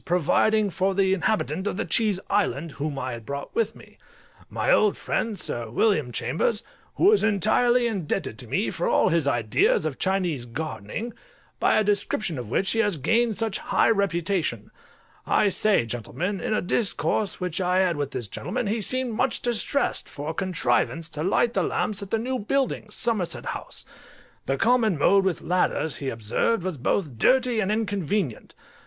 providing for the inhabitant of the Cheese Island, whom I had brought with me. My old friend, Sir William Chambers, who is entirely indebted to me for all his ideas of Chinese gardening, by a description of which he has gained such high reputation; I say, gentlemen, in a discourse which I had with this gentlemen, he seemed much distressed for a contrivance to light the lamps at the new buildings, Somerset House; the common mode with ladders, he observed, was both dirty and inconvenient.